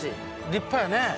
立派やね。